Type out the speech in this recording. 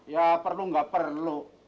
ya perlu enggak perlu